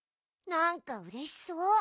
なんかうれしそう。